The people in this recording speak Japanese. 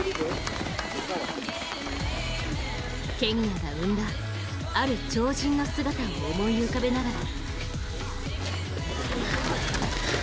ケニアが生んだ、ある超人の姿を思い浮かべながら。